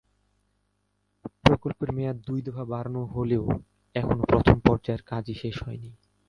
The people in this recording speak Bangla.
প্রকল্পের মেয়াদ দুই দফা বাড়ানো হলেও এখনো প্রথম পর্যায়ের কাজই শেষ হয়নি।